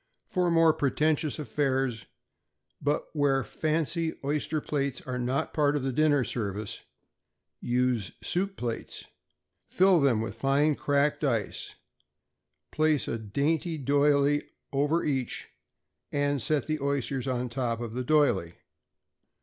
For more pretentious affairs, but where fancy oyster plates are not a part of the dinner service, use soup plates. Fill them with fine cracked ice, place a dainty doily over each, and set the oysters on top of the doily.